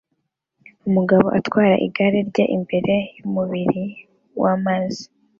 Umugore atwara igare rye imbere yumubiri wamazi